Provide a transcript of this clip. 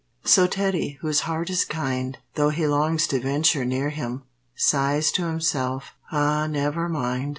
So Teddy, whose heart is kind, Though he longs to venture near him, Sighs to himself, "Ah, never mind!"